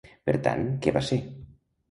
Per tant, què va ser?